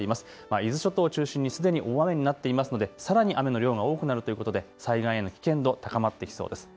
伊豆諸島を中心にすでに大雨になっていますので、さらに雨の量が多くなることで災害への危険度、高まってきそうです。